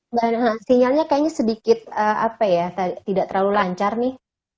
mbak nana sinyalnya kayaknya sedikit apa ya tidak terlalu lancar nih